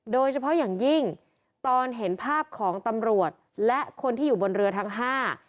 โดยเฉพาะอย่างยิ่งตอนเห็นภาพของตำรวจและคนที่อยู่บนเรือทั้งห้า